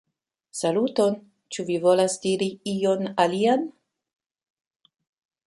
Saluton! Ĉu vi volas diri ion alian?